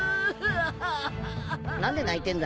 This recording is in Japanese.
何で泣いてんだ？